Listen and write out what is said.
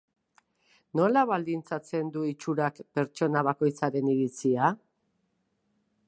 Nola baldintzatzen du itxurak pertsona bakoitzaren iritzia?